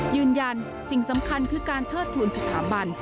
ยืนยันสิ่งสำคัญคือการเทิดทูลสถาบัน